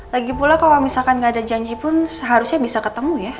lagipula kalau misalkan gak ada janji pun seharusnya bisa ketemu ya